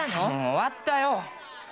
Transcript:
終わったよ！